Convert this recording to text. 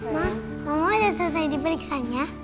mama mama udah selesai diperiksanya